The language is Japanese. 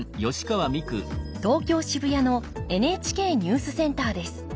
東京・渋谷のＮＨＫニュースセンターです。